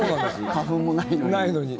花粉もないのに。